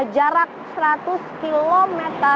jarak seratus km